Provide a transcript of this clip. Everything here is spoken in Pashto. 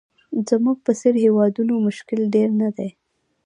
زموږ په څېر هېوادونو مشکل ډېر نه دي.